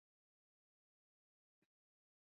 Neumonia izan daiteke arrazioa.